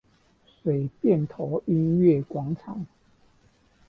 水汴頭音樂廣場